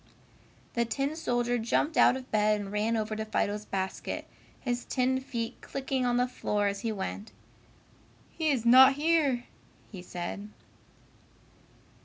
The tin soldier jumped out of bed and ran over to Fido's basket, his tin feet clicking on the floor as he went. "He is not here," he said.